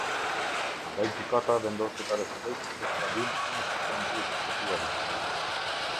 Andaj gjykata vendosi ta refuzojë kërkesëpadinë si në pikën dy të këtij aktgjykimi.